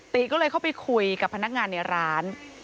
ติก็เลยเข้าไปคุยกับพนักงานในร้าน